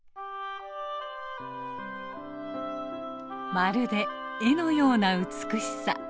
まるで絵のような美しさ。